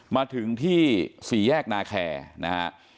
มาถึงที่สี่แยกนาแคร์นะฮะ